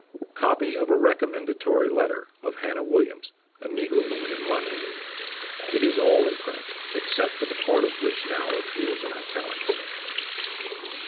Copy of a Recommendatory Letter of Hannah Williams, a Negro Woman, in London. It is all in print, except the part of it which now appears in Italics.